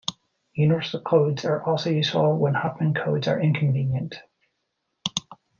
Universal codes are also useful when Huffman codes are inconvenient.